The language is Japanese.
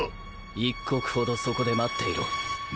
一刻ほどそこで待っていろ。